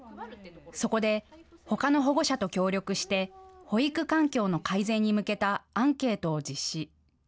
そこで、ほかの保護者と協力して保育環境の改善に向けたアンケートを実施。